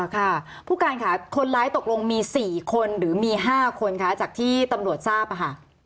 ค่ะผู้การค่ะคนร้ายตกลงมี๔คนหรือมี๕คนคะจากที่ตำรวจทราบค่ะ